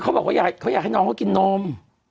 เขาบอกว่าเขาอยากให้น้องเขากินนม